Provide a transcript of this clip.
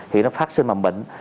thì nó phát sinh mầm bệnh